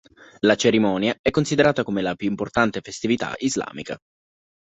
La cerimonia è considerata come la più importante festività islamica.